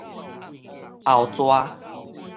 後逝